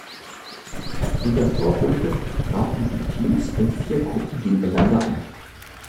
In der Vorrunde traten die Teams in vier Gruppen gegeneinander an.